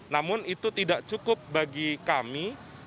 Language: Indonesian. namun itu tidak cukup bagi kami